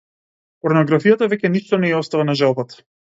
Порнографијата веќе ништо не ѝ остава на желбата.